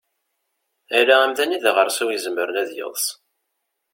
Ala amdan i daɣersiw izemren ad yeḍs.